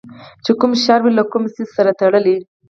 چې کوم شر وي له کوم څیز سره تړلی